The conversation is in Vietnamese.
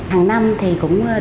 hàng năm thì cũng